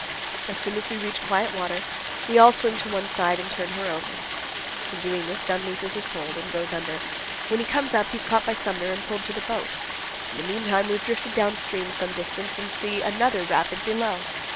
As soon as we reach quiet water we all swim to one side and turn her over. In doing this, Dunn loses his hold and goes under; when he comes up he is caught by Sumner and pulled to the boat. In the meantime we have drifted down stream some distance and see another rapid below.